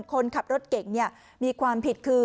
คนขับรถเก่งมีความผิดคือ